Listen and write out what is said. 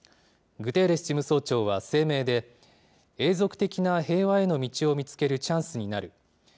グテーレス事務総長は声明で、永続的な平和への道を見つけるチャンスになる。